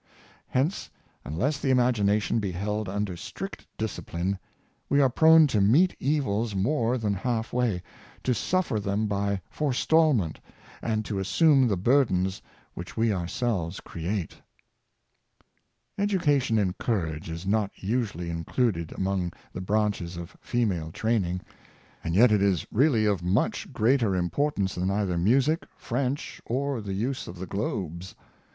Hence, unless the imagination be held under strict discipline, we are prone to meet evils more than halfway — to suffer them by forestallment, and to as sume the burdens which we ourselves create. 464 Courage of Women, Education in courage is not usually included among the branches of female training, and yet it is really of much greater importance than either music, French, or the use of the globes.